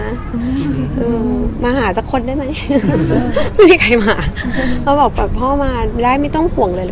อืมมาหาสักคนได้ไหมไม่มีใครมาเขาบอกแบบพ่อมาได้ไม่ต้องห่วงเลยเลย